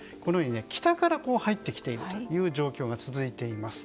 北から入ってきている状況が続いています。